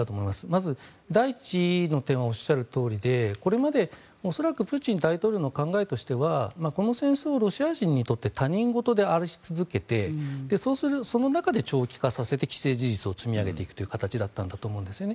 まず、第１の点はおっしゃるとおりでこれまで恐らくプーチン大統領の考えとしてはこの戦争をロシア人にとって他人事であり続けてその中で長期化させて既成事実を積み重ねていくという形だったんだと思うんです。